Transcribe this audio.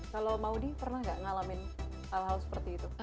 kalau maudie pernah nggak ngalamin hal hal seperti itu